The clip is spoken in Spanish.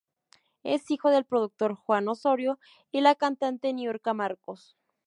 Es hijo del productor Juan Osorio y la cantante Niurka Marcos.